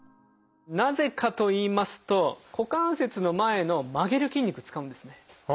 なぜかといいますと股関節の前の曲げる筋肉使うんですね。